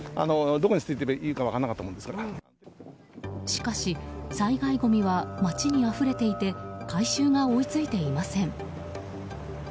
しかし、災害ごみは街にあふれていて回収が追いついていません。